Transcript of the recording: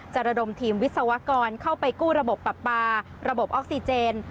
ระดมทีมวิศวกรเข้าไปกู้ระบบปรับปลาระบบออกซิเจน